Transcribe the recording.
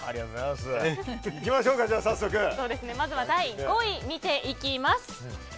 まずは第５位見ていきます。